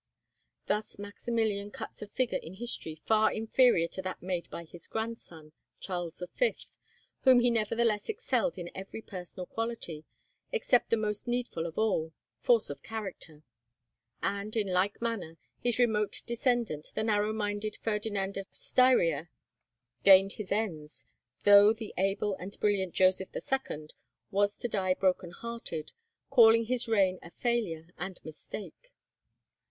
Thus Maximilian cuts a figure in history far inferior to that made by his grandson, Charles V., whom he nevertheless excelled in every personal quality, except the most needful of all, force of character; and, in like manner, his remote descendant, the narrow minded Ferdinand of Styria, gained his ends, though the able and brilliant Joseph II. was to die broken hearted, calling his reign a failure and mistake.